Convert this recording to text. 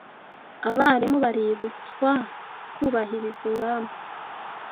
Abarimu baributswa kubahiriza ingamba